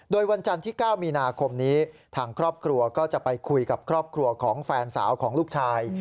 โดยวันจันทร์ที่๙มีนาคมนี้ทางครอบครัวก็จะไปคุยกับครอบครัวของแฟนสาวของลูกชาย